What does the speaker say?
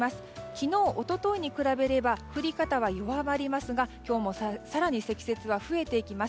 昨日、一昨日に比べれば降り方は弱まりますが今日も更に積雪は増えていきます。